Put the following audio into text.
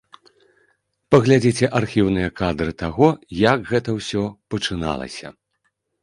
Паглядзіце архіўныя кадры таго, як гэта ўсё пачыналася.